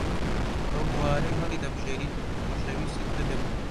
ئەو بوارەی هەڵیدەبژێریت خۆشەویستیت هەبێت بۆی